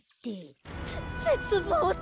ぜぜつぼうだ！